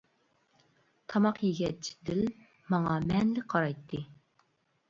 تاماق يېگەچ دىل ماڭا مەنىلىك قارايتتى.